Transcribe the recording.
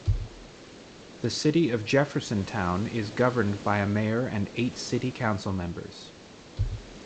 The city of Jeffersontown is governed by a mayor and eight city council members.